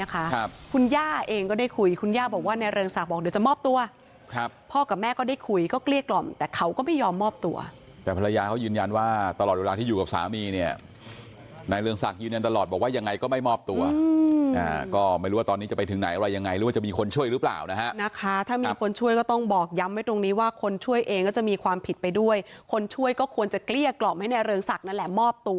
คุณย่าเองก็ได้คุยคุณย่าบอกว่านายเรืองศักดิ์บอกเดี๋ยวจะมอบตัวพ่อกับแม่ก็ได้คุยก็เกลี้ยกกล่อมแต่เขาก็ไม่ยอมมอบตัวแต่ภรรยาเขายืนยันว่าตลอดเวลาที่อยู่กับสามีเนี่ยนายเรืองศักดิ์ยืนยันตลอดบอกว่ายังไงก็ไม่มอบตัวก็ไม่รู้ว่าตอนนี้จะไปถึงไหนอะไรยังไงหรือจะมีคนช่วยหรือเปล